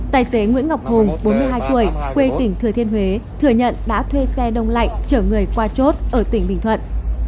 tài xế nguyễn ngọc hùng bốn mươi hai tuổi quê tỉnh thừa thiên huế thừa nhận đã thuê xe đông lạnh chở người qua chốt ở tỉnh bình thuận